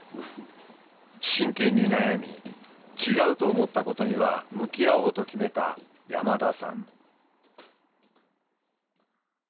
真剣に悩み「違う」と思ったことには向き合おうと決めた山田さん。